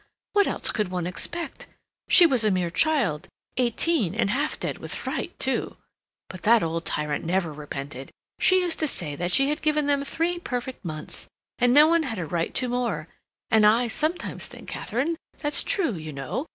What else could one expect? She was a mere child—eighteen—and half dead with fright, too. But that old tyrant never repented. She used to say that she had given them three perfect months, and no one had a right to more; and I sometimes think, Katharine, that's true, you know.